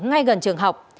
ngay gần trường học